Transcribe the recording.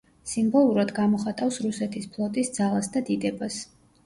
სიმბოლურად გამოხატავს რუსეთის ფლოტის ძალას და დიდებას.